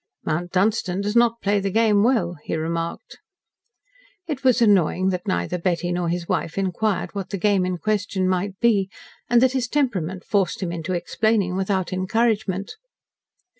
"Mount Dunstan does not play the game well," he remarked. It was annoying that neither Betty nor his wife inquired what the game in question might be, and that his temperament forced him into explaining without encouragement.